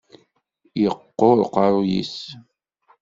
Yeqquṛ uqeṛṛu-yis.